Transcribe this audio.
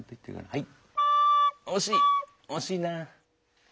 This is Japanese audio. はい。